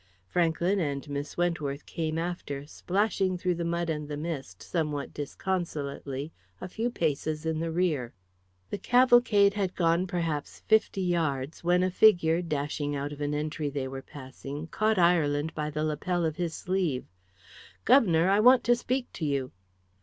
Franklyn and Miss Wentworth came after, splashing through the mud and the mist, somewhat disconsolately, a few paces in the rear. The cavalcade had gone, perhaps, fifty yards, when a figure, dashing out of an entry they were passing, caught Ireland by the lapel of his sleeve. "Guv'nor! I want to speak to you!"